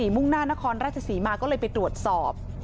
มุ่งหน้านครราชศรีมาก็เลยไปตรวจสอบ